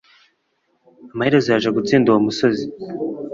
Amaherezo yaje gutsinda uwo musozi